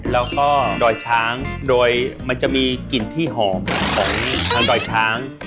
แล้วก็ดอยช้างโดยมันจะมีกลิ่นที่หอมของทางดอยช้าง